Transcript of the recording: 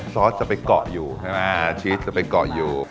ซอสจะไปเกาะอยู่ใช่ไหมชีสจะไปเกาะอยู่